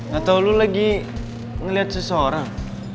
gak tau lo lagi ngeliat seseorang